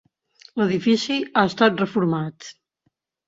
L'edifici ha estat reformat.